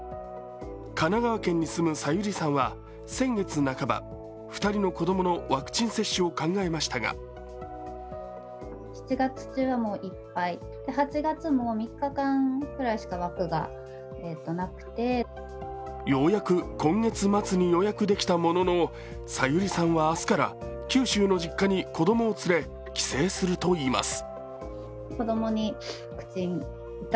神奈川県に住むさゆりさんは先月半ば２人の子供のワクチン接種を考えましたがようやく今月末に予約できたものの、さゆりさんは明日から九州の実家に子供を連れ帰省すると言います。